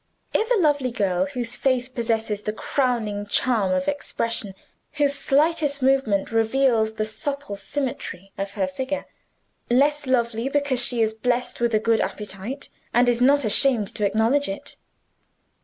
Is a lovely girl whose face possesses the crowning charm of expression, whose slightest movement reveals the supple symmetry of her figure less lovely because she is blessed with a good appetite, and is not ashamed to acknowledge it?